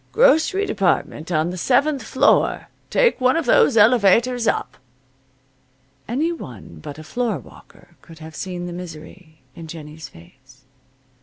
"Grocery department on the seventh floor. Take one of those elevators up." Any one but a floorwalker could have seen the misery in Jennie's face.